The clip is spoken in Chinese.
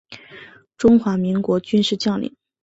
中华民国军事将领。